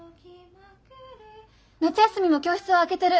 ・夏休みも教室は開けてる。